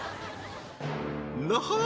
なはっ